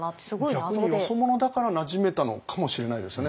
逆によそ者だからなじめたのかもしれないですよね。